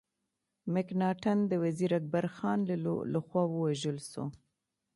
مکناټن د وزیر اکبر خان له خوا ووژل سو.